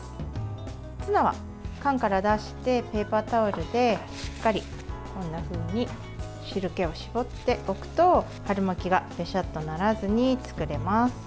ツナは缶から出してペーパータオルでしっかりこんなふうに汁けを絞っておくと春巻きがべしゃっとならずに作れます。